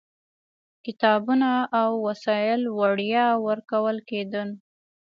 کتابونه او وسایل وړیا ورکول کېدل.